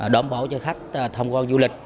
đồng bộ cho khách thông qua du lịch